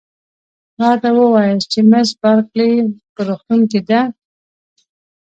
راته ووایاست چي مس بارکلي په روغتون کې ده؟